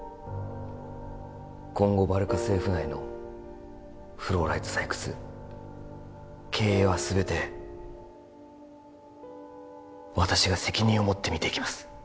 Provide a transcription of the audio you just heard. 今後バルカ政府内のフローライト採掘経営は全て私が責任を持って見ていきます